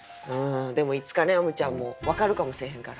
でもいつかねあむちゃんも分かるかもせえへんから。